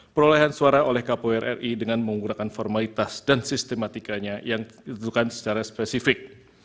perolehan suara oleh kpu ri dengan menggunakan formalitas dan sistematikanya yang ditentukan secara spesifik